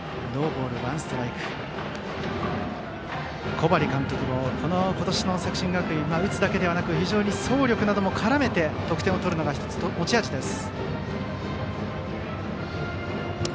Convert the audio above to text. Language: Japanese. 小針監督も今年の作新学院は打つだけではなく非常に走力なども絡めて得点を取るのが１つ、持ち味です。